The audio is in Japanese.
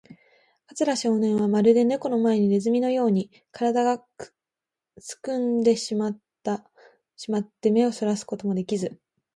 桂少年は、まるでネコの前のネズミのように、からだがすくんでしまって、目をそらすこともできず、